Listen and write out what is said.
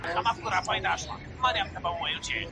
هغه له ډاره اوږده لاره د اتڼ لپاره وهلې وه.